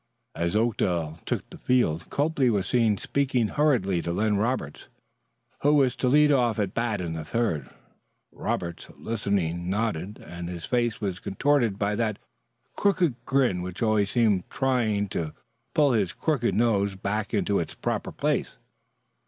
As Oakdale took the field, Copley was seen speaking hurriedly to Len Roberts, who was to lead off at bat in the third. Roberts, listening, nodded, and his face was contorted by that crooked grin which always seemed trying to pull his crooked nose back into its proper place.